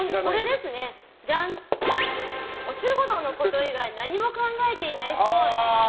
お仕事のこと以外何も考えていないっぽい。